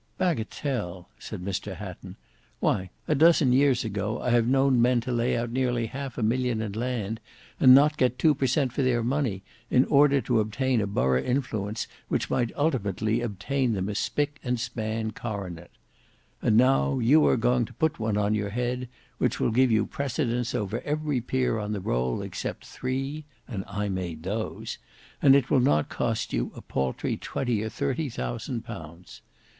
"Bagatelle!" said Mr Hatton. "Why a dozen years ago I have known men lay out nearly half a million in land and not get two per cent for their money, in order to obtain a borough influence which might ultimately obtain them a spick and span coronet; and now you are going to put one on your head, which will give you precedence over every peer on the roll, except three (and I made those), and it will not cost you a paltry twenty or thirty thousand pounds.